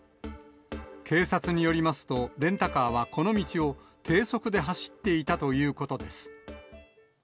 警察によりますと、レンタカーはこの道を低速で走っていたということです。